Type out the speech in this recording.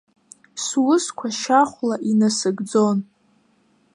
Сусқәа шьахәла инасыгӡон.